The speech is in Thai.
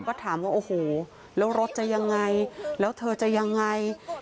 ก็ถามว่าโอ้โหแล้วรถจะยังไงแล้วเธอจะยังไง